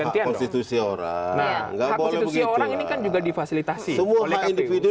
nah hak konstitusi orang ini kan juga difasilitasi oleh individu